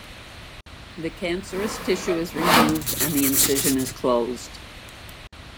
The cancerous tissue is removed and the incision is closed.